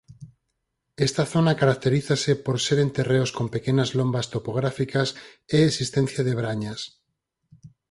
Esta zona caracterízase por seren terreos con pequenas lombas topográficas e existencia de brañas.